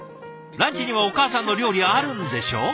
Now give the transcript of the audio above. ランチにはお母さんの料理あるんでしょ？